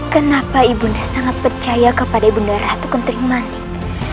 kenapa ibunya sangat percaya kepada ibunda ratu kentrim manik